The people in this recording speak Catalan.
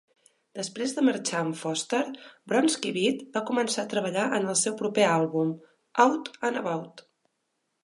Després de marxar en Foster, Bronski Beat va començar a treballar en el seu proper àlbum "Out and About".